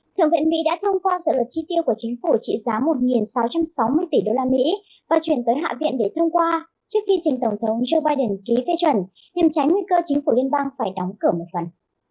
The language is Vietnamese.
thượng viện mỹ đã thông qua dự luật chi tiêu của chính phủ trị giá một sáu trăm sáu mươi tỷ đô la mỹ và chuyển tới hạ viện để thông qua trước khi trình tổng thống joe biden ký phê chuẩn nhằm tránh nguy cơ chính phủ liên bang phải đóng cửa một phần